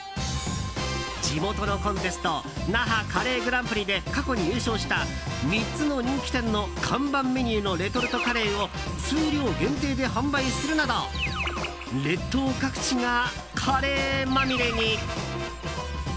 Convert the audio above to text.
地元のコンテスト那覇カレーグランプリで過去に優勝した３つの人気店の看板メニューのレトルトカレーを数量限定で販売するなど列島各地がカレーまみれに。